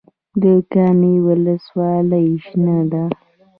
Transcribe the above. د کامې ولسوالۍ شنه ده